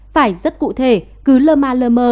phải rất cụ thể cứ lơ ma lên